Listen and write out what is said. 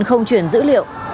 không chuyển dữ liệu